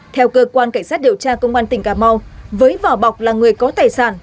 theo cơ quan cảnh sát điều tra công an tỉnh cà mau với vỏ bọc là người có tài sản